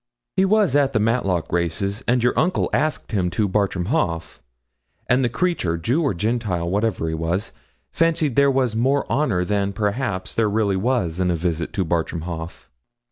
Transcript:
He was at the Matlock races, and your uncle asked him to Bartram Haugh; and the creature, Jew or Gentile, whatever he was, fancied there was more honour than, perhaps, there really was in a visit to Bartram Haugh.'